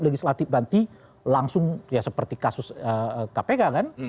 legislatif banti langsung seperti kasus kpk kan